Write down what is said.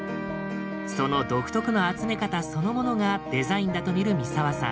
その独特の集め方そのものがデザインだと見る三澤さん。